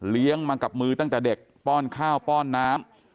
มากับมือตั้งแต่เด็กป้อนข้าวป้อนน้ำ